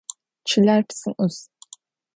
Çıler psım 'us.